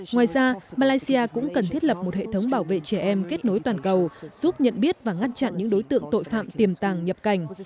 ngoài ra malaysia cũng cần thiết lập một hệ thống bảo vệ trẻ em kết nối toàn cầu giúp nhận biết và ngăn chặn những đối tượng tội phạm tiềm tàng nhập cảnh